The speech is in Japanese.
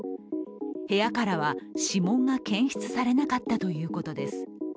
部屋からは指紋が検出されなかったということです。